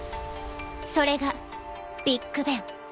それがビッグベン。